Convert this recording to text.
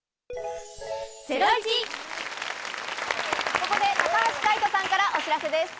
ここで高橋海人さんからお知らせです。